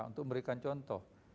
untuk memberikan contoh